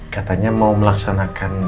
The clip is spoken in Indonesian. katanya mau melaksanakan